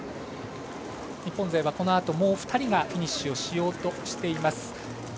日本勢はこのあともう２人がフィニッシュしようとしています。